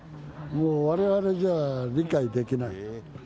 もう、われわれじゃ理解できない。